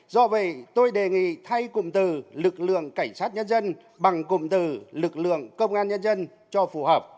do vậy tôi đề nghị thay cụm từ lực lượng cảnh sát nhân dân bằng cụm từ lực lượng công an nhân dân cho phù hợp